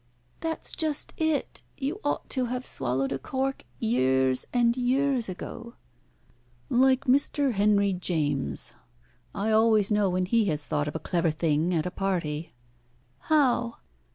"That's just it. You ought to have swallowed a cork years and years ago." "Like Mr. Henry James. I always know when he has thought of a clever thing at a party." "How?"